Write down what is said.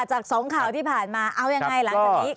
จากสองข่าวที่ผ่านมาเอายังไงหลังจากนี้